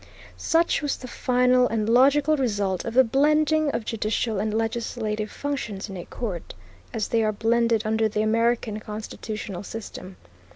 Such was the final and logical result of the blending of judicial and legislative functions in a court, as they are blended under the American constitutional system.